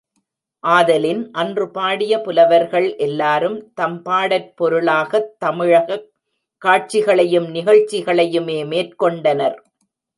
ஆதலின், அன்று பாடிய புலவர்கள் எல்லாரும், தம் பாடற் பொருளாகத் தமிழகக் காட்சிகளையும், நிகழ்ச்சிகளையுமே மேற் கொண்டனர்.